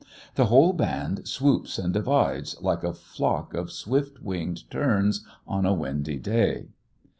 The whole band swoops and divides, like a flock of swift winged terns on a windy day.